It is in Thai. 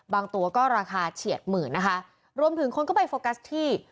ตัวก็ราคาเฉียดหมื่นนะคะรวมถึงคนก็ไปโฟกัสที่